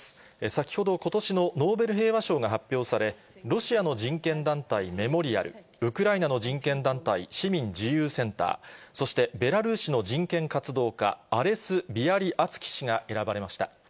先ほど、ことしのノーベル平和賞が発表され、ロシアの人権団体、メモリアル、ウクライナの人権団体、市民自由センター、そしてベラルーシの人権活動家、アレス・ビアリアツキ氏が選ばれました。